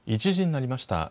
１時になりました。